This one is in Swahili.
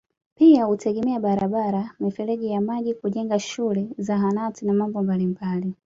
Pia hutengeneza barabara mifereji ya maji kujenga shule Zahanati na mambo mabalimbali